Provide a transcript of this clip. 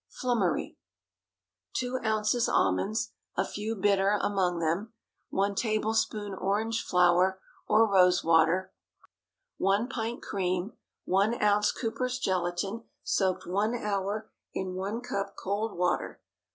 FLUMMERY. 2 oz. almonds—a few bitter among them. 1 tablespoonful orange flower or rose water. 1 pint cream. 1 oz. Cooper's gelatine, soaked one hour in one cup cold water.